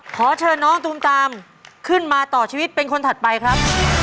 ขอเชิญน้องตูมตามขึ้นมาต่อชีวิตเป็นคนถัดไปครับ